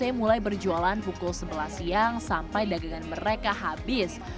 mulai berjualan pukul sebelas siang sampai dagangan mereka habis